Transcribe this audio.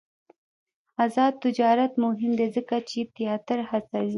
آزاد تجارت مهم دی ځکه چې تیاتر هڅوي.